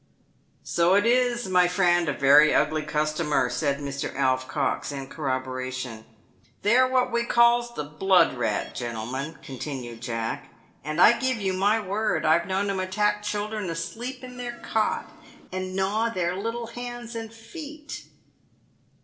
" So it is, my friend, a very ugly customer," said Mr. Alf Cox, in corroboration. " They are what we calls the blood rat, gentlemen," continued Jack ;" and I give you my word, I've known 'em attack children asleep in their cot, and gnaw their little hands and feet."